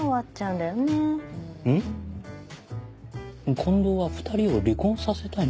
近藤は２人を離婚させたいのか？